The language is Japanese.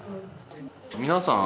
皆さん